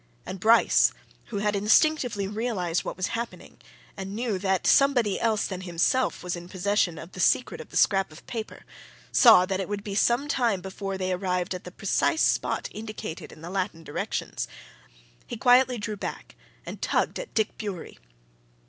And Bryce, who had instinctively realized what was happening, and knew that somebody else than himself was in possession of the secret of the scrap of paper, saw that it would be some time before they arrived at the precise spot indicated in the Latin directions. He quietly drew back and tugged at Dick Bewery.